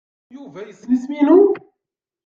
Yuba yessen isem-inu?